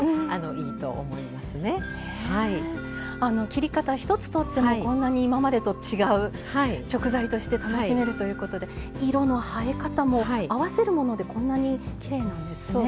切り方ひとつとってもこんなに今までと違う食材として楽しめるということで色の映え方も合わせるものでこんなにきれいなんですね。